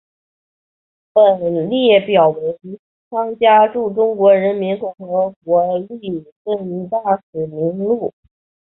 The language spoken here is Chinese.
本列表为汤加驻中华人民共和国历任大使名录。